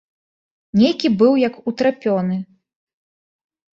Нейкі быў як утрапёны.